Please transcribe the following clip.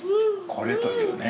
「これ」というね。